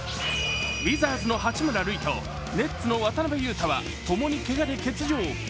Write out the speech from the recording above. ウィザーズの八村塁とネッツの渡邊雄太は共にけがで欠場。